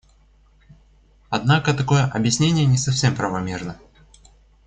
Однако такое объяснение не совсем правомерно.